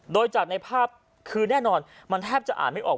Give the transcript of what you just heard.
โดยจากในภาพคือแน่นอนมันแทบจะอ่านไม่ออก